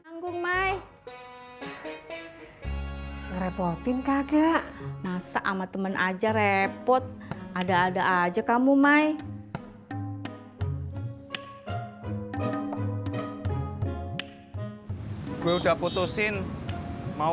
nganggung my repotin kagak masa ama temen aja repot ada ada aja kamu my gue udah putusin mau